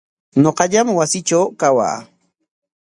Ñuqallam wasiitraw kawaa.